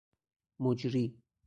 مجری